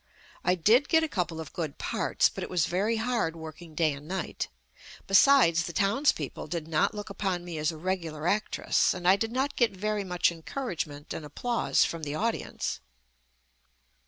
I did get a couple of good parts, but it was very hard working day and night. Besides the towns people did not look upon me as a regular ac tress, and I did not get very much encourage ment and applause from the audience.